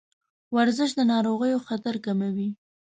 ورزش د ناروغیو خطر کموي.